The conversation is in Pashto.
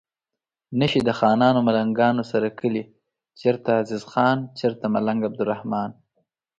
نه شي د خانانو ملنګانو سره کلي چرته عزیز خان چرته ملنګ عبدالرحمان